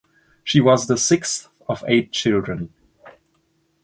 She was the sixth of eight children.